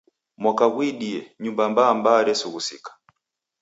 Mwaka ghuidie, Nyumba mbaa mbaa reresughusika